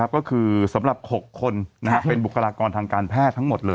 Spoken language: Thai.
ก็คือสำหรับ๖คนเป็นบุคลากรทางการแพทย์ทั้งหมดเลย